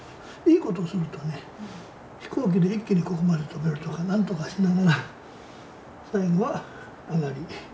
いいことするとね飛行機で一気にここまで飛べるとか何とかしながら最後は上がり。